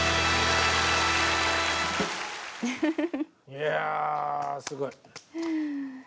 いやすごい。